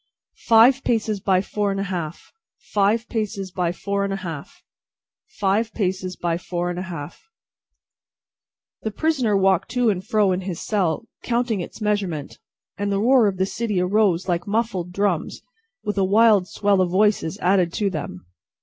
"Five paces by four and a half, five paces by four and a half, five paces by four and a half." The prisoner walked to and fro in his cell, counting its measurement, and the roar of the city arose like muffled drums with a wild swell of voices added to them.